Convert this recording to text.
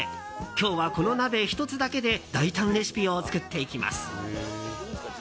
今日はこの鍋１つだけで大胆レシピを作っていきます。